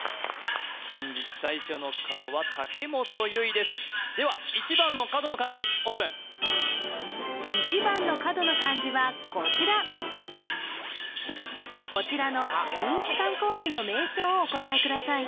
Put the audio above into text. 本日最初の角は武元唯衣ですでは１番の角の漢字オープン１番の角の漢字はこちらこちらの人気観光地の名称をお答えください